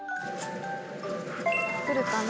来るかな？